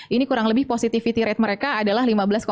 ini kurang lebih positivity rate mereka adalah lima belas empat puluh tiga